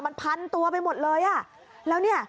มันพันตัวไปหมดเลยอ่ะแล้วเนี่ย